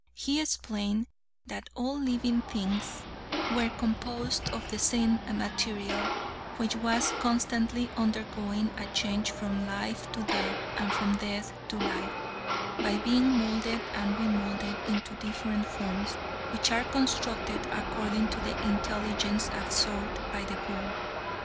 He explained that all living things were composed of the same material, which was constantly undergoing a change from life to death and from death to life by being molded and remolded into different forms, which are constructed according to the intelligence absorbed by the whole.